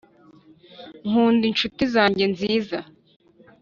nkunda inshuti zanjye nziza.